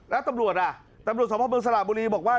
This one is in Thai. แล้วตำรวจของภาพเมืองสละบุรีบอกว่า